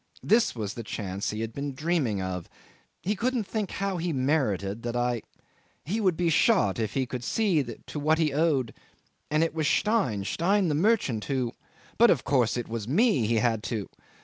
This was a chance he had been dreaming of. He couldn't think how he merited that I ... He would be shot if he could see to what he owed ... And it was Stein, Stein the merchant, who ... but of course it was me he had to